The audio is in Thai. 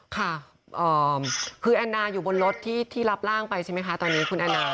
ค่ะคือแอนนาอยู่บนรถที่รับร่างไปใช่ไหมคะตอนนี้คุณแอนนา